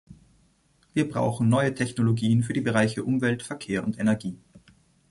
Wir brauchen neue Technologien für die Bereiche Umwelt, Verkehr und Energie.